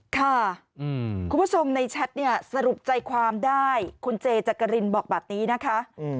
คุณผู้ชมในแชทเนี่ยสรุปใจความได้คุณเจจักรินบอกแบบนี้นะคะ